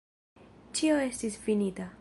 Ĉio estis finita.